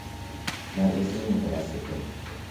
مدرسۀ متوسطه